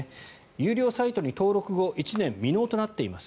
有料サイトに登録後１年未納となっています。